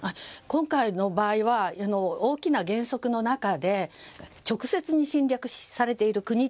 今回の場合は大きな原則の中で直接に侵略されている国